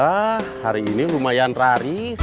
wah hari ini lumayan raris